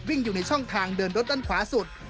อยู่ในช่องทางเดินรถด้านขวาสุด